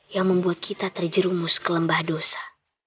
yang membuat kita terjerumus ke lembah dosa